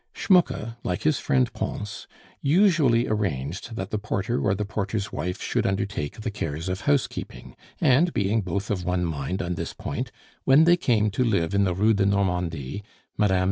Schmucke, like his friend Pons, usually arranged that the porter or the porter's wife should undertake the cares of housekeeping; and being both of one mind on this point when they came to live in the Rue de Normandie, Mme.